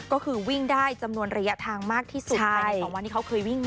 ก็คือวิ่งได้จำนวนระยะทางมากที่สุดภายใน๒วันที่เขาเคยวิ่งมา